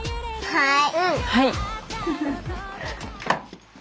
はい。